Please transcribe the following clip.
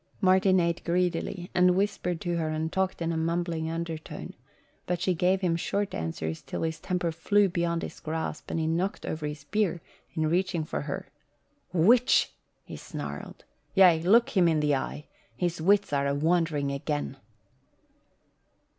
Martin ate greedily and whispered to her and talked in a mumbling undertone, but she gave him short answers till his temper flew beyond his grasp and he knocked over his beer in reaching for her. "Witch!" he snarled. "Yea, look him in the eye! His wits are a wandering again."